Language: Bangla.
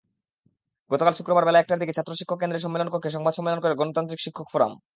গতকাল বেলা একটার দিকে ছাত্র-শিক্ষক কেন্দ্রের সম্মেলনকক্ষে সংবাদ সম্মেলন করে গণতান্ত্রিক শিক্ষক ফোরাম।